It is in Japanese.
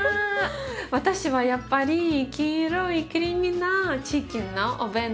私はやっぱり黄色いクリーミーなチキンのお弁当。